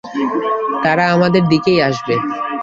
তারা আমাদের দিকেই আসবে।